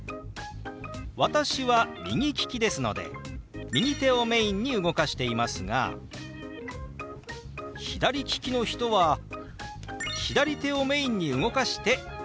私は右利きですので右手をメインに動かしていますが左利きの人は左手をメインに動かしてＯＫです。